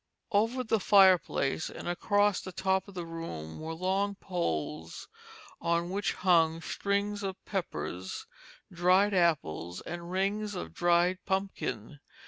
Over the fireplace and across the top of the room were long poles on which hung strings of peppers, dried apples, and rings of dried pumpkin.